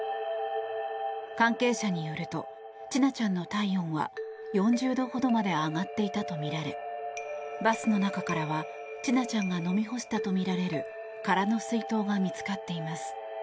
関係者によると千奈ちゃんの体温は４０度ほどまで上がっていたとみられバスの中からは千奈ちゃんが飲み干したとみられる空の水筒が見つかっています。